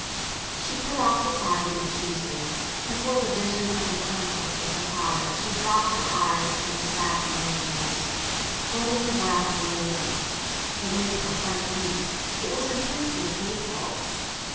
She put off deciding and choosing; before the vision of a conflict with her father she dropped her eyes and sat motionless, holding her breath and waiting. It made her heart beat, it was intensely painful.